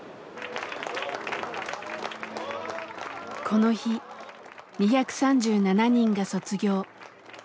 この日２３７人が卒業。